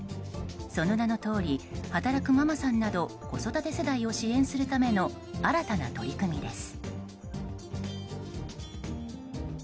その名のとおり働くママさんなど子育て世代を支援するための新たな取り組みです。